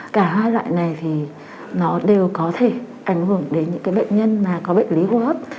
cả hai loại này thì nó đều có thể ảnh hưởng đến những bệnh nhân mà có bệnh lý hô hấp